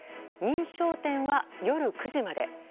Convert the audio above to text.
認証店は夜９時まで。